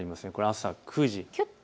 朝９時。